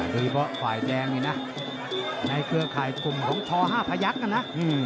โดยเฉพาะฝ่ายแดงนี่นะในเครือข่ายกลุ่มของช๕พยักษ์นะ